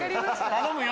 頼むよ！